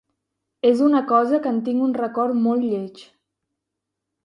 És una cosa que en tinc un record molt lleig.